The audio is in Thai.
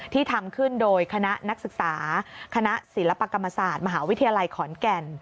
ทำขึ้นโดยคณะนักศึกษาคณะศิลปกรรมศาสตร์มหาวิทยาลัยขอนแก่น